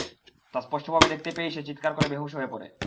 তা স্পষ্টভাবে দেখতে পেয়েই সে চীৎকার করে বেহুঁশ হয়ে পড়ে।